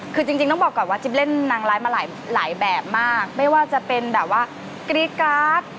คือจริงต้องบอกก่อนว่าจิ๊บเล่นนางร้ายมาหลายแบบมากไม่ว่าจะเป็นแบบว่ากรี๊ดการ์ด